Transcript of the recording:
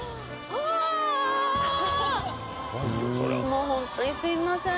もうホントにすいません